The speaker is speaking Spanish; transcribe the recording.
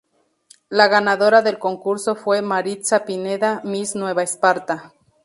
La ganadora del concurso fue Maritza Pineda, Miss Nueva Esparta.